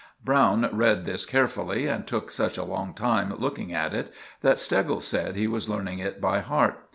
Browne read this carefully and took such a long time looking at it, that Steggles said he was learning it by heart.